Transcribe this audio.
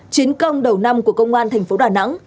chiến công đầu năm của công an thành phố đà nẵng